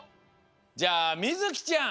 じゃあみずきちゃん。